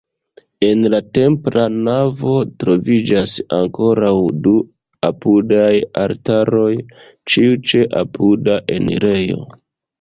En la templa navo troviĝas ankoraŭ du apudaj altaroj, ĉiu ĉe apuda enirejo.